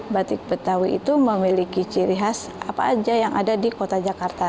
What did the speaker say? batik betawi itu memiliki ciri khas apa aja yang ada di kota jakarta